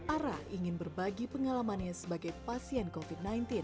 ara ingin berbagi pengalamannya sebagai pasien covid sembilan belas